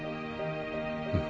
うん。